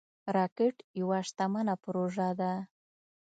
راکټ یوه شتمنه پروژه ده